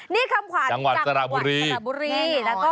นี่คำขวัญจังหวัดสระบุรี